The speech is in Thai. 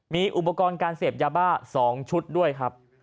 มีอุปกรณ์การเสพยาบ้า๒ชุดด้วยครับ